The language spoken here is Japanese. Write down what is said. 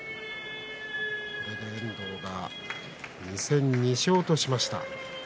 遠藤が２戦２勝としました。